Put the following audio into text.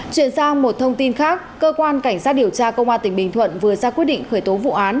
chuyển sang một thông tin khác cơ quan cảnh sát điều tra công an tỉnh bình thuận vừa ra quyết định khởi tố vụ án